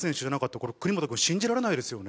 これ国本君信じられないですよね。